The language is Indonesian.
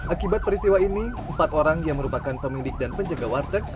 akibat peristiwa ini empat orang yang merupakan pemilik dan penjaga warteg